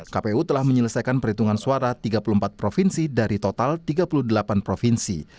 kpu telah menyelesaikan perhitungan suara tiga puluh empat provinsi dari total tiga puluh delapan provinsi